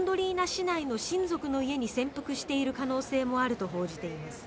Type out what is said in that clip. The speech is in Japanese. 市内の親族の家に潜伏している可能性もあると報じています。